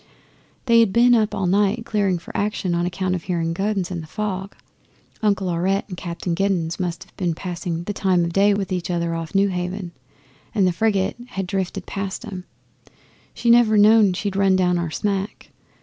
They had been up all night clearing for action on account of hearing guns in the fog. Uncle Aurette and Captain Giddens must have been passing the time o' day with each other off Newhaven, and the frigate had drifted past 'em. She never knew she'd run down our smack.